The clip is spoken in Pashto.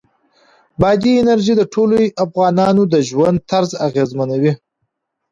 بادي انرژي د ټولو افغانانو د ژوند طرز اغېزمنوي.